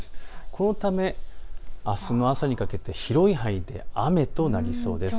このためあすの朝にかけて広い範囲で雨となりそうです。